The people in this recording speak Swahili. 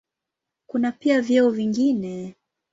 Kuna pia vyeo vingine.